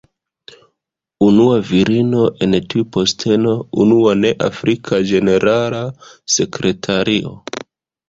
Unua virino en tiu posteno, unua ne afrika ĝenerala sekretario.